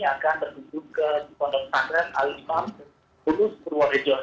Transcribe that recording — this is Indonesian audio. akan berhubung ke kondok sangres alimam putus purworejo